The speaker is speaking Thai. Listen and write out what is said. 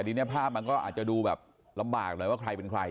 นี่ภาพมันอาจจะดูลำบากเลยว่าใครเป็นใคร